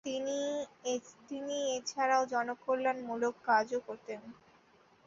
তিনি এছাড়াও জনকল্যাণ মূলক কাজও করতেন।